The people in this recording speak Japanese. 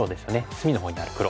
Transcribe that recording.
隅のほうにある黒。